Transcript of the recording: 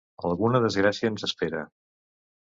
Alguna desgràcia ens espera.